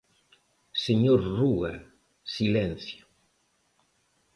Señor Rúa, silencio.